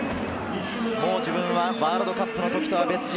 もう自分はワールドカップの時とは別人。